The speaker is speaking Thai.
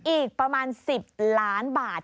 อีกประมาณ๑๐ล้านบาท